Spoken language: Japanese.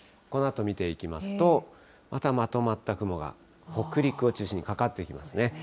このあと見ていきますと、またまとまった雲が北陸を中心にかかってくるんですね。